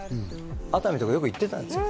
熱海とかよく行ってたんですよ